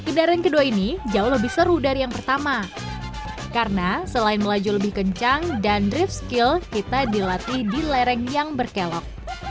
kendaraan kedua ini jauh lebih seru dari yang pertama karena selain melaju lebih kencang dan drift skill kita dilatih di lereng yang berkelok